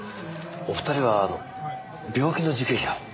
お二人はあの病気の受刑者を。